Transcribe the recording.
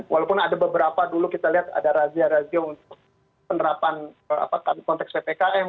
walaupun ada beberapa dulu kita lihat ada razia razia untuk penerapan konteks ppkm